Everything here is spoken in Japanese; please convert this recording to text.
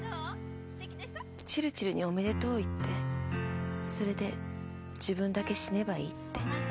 チルチルにおめでとうを言ってそれで自分だけ死ねばいいって。